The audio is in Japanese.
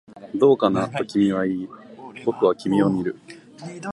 どうかな、と君は言い、僕は君を見る